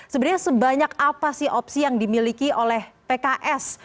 sebenarnya sebanyak apa sih opsi yang dimiliki oleh pks